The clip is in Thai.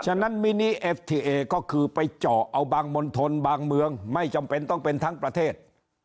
ฉะนั้นมินิเอฟทีเอก็คือไปเจาะเอาบางมณฑลบางเมืองไม่จำเป็นต้องเป็นทั้งประเทศ